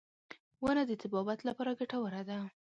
• ونه د طبابت لپاره ګټوره ده.